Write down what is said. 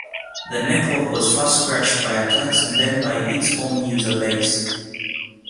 The network was first crushed by attacks, and then by its own user base.